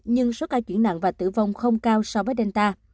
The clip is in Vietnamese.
nhưng số ca chuyển nặng và tử vong không cao so với delta